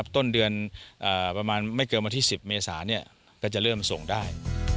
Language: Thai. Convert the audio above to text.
ต้นเดือนไม่เกินมาที่๑๐เมษากระทั่งก่อนก็เริ่มส่งได้